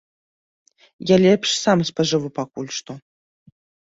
Я лепш сам спажыву пакуль што.